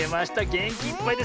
げんきいっぱいですね！